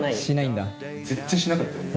全然しなかったよね。